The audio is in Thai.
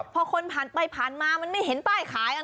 พอคนผ่านไปผ่านมามันไม่เห็นป้ายขาย